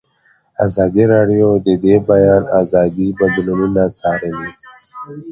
ازادي راډیو د د بیان آزادي بدلونونه څارلي.